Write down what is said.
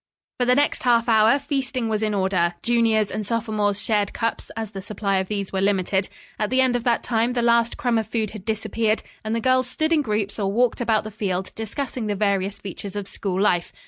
For the next half hour feasting was in order. Juniors and sophomores shared cups; as the supply of these were limited. At the end of that time the last crumb of food had disappeared and the girls stood in groups or walked about the field, discussing the various features of school life.